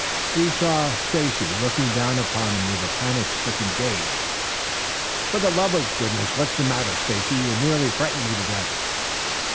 He saw Stacy looking down upon him with panic stricken gaze. "For the love of goodness, what's the matter, Stacy? You nearly frightened me to death."